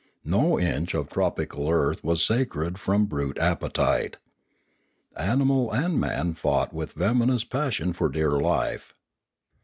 No inch of tropical earth was sacred from brute appetite. Animal and man fought with venomous passion for dear life.